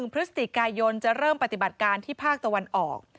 พฤศจิกายนจะเริ่มปฏิบัติการที่ภาคตะวันออก